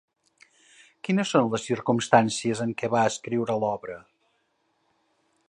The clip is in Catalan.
Quines són les circumstàncies en què va escriure l'obra?